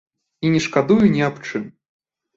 І не шкадую ні аб чым.